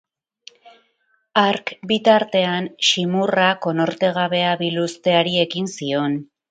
Hark, bitartean, Ximurra konortegabea biluzteari ekin zion.